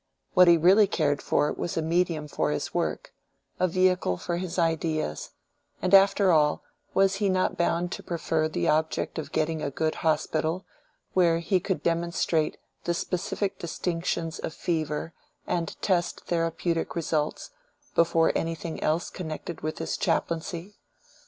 What he really cared for was a medium for his work, a vehicle for his ideas; and after all, was he not bound to prefer the object of getting a good hospital, where he could demonstrate the specific distinctions of fever and test therapeutic results, before anything else connected with this chaplaincy?